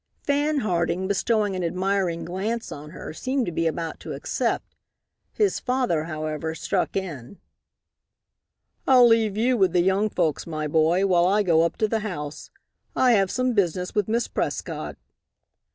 Fan Harding, bestowing an admiring glance on her, seemed to be about to accept. His father, however, struck in: "I'll leave you with the young folks, my boy, while I go up to the house. I have some business with Miss Prescott."